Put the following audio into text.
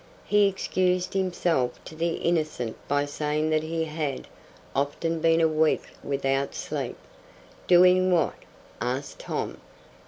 He excused himself to the Innocent by saying that he had "often been a week without sleep." "Doing what?" asked Tom.